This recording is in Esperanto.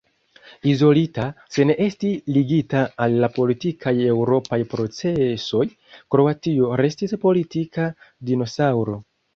Izolita, sen esti ligita al la politikaj eŭropaj procesoj, Kroatio restis politika dinosaŭro.